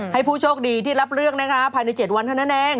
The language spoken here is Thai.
ให้ผู้โชคดีที่รับเลือกภายใน๗วันเท่านั้นแหลง